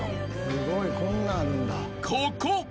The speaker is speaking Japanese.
すごいこんなんあるんだ。